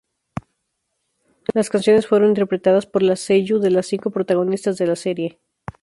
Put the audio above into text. Las canciones fueron interpretadas por las seiyū de las cinco protagonistas de la serie.